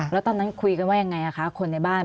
แล้วตอนนั้นคุยกันว่ายังไงคะคนในบ้าน